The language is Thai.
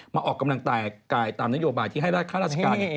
ออกกำลังกายกายตามนโยบายที่ให้ค่าราชการ